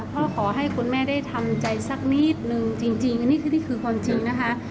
เพราะขอให้คุณแม่ได้ทำใจสักนิดนึงจริงนี่คือความจริงนะคะ